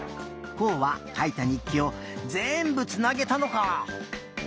こうはかいた日記をぜんぶつなげたのか！